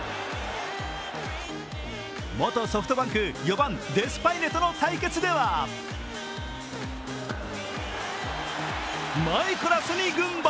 元ソフトバンク、４番・デスパイネとの対決ではマイコラスに軍配。